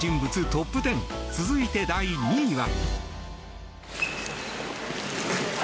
トップ１０続いて第２位は。